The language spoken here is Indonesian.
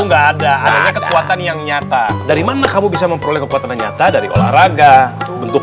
enggak ada adanya kekuatan yang nyata dari mana kamu bisa memperoleh kekuatan yang nyata dari olahraga bentuk